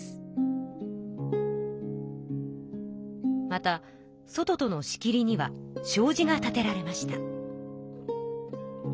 また外との仕切りにはしょうじが立てられました。